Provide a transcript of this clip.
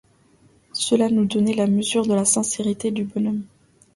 Cela nous donnait la mesure de la sincérité du bonhomme.